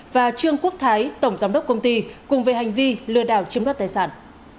và trương quốc thái tổng giám đốc công ty cùng với hành vi lừa đảo chiếm đoát tài sản